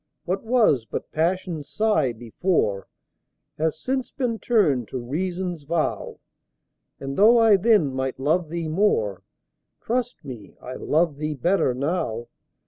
What was but Passion's sigh before, Has since been turned to Reason's vow; And, though I then might love thee more, Trust me, I love thee better now.